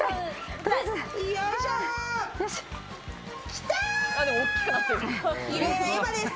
きた！